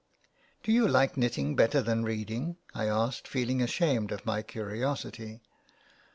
*' Do you like knitting better than reading," I asked, feeling ashamed of my curiosity.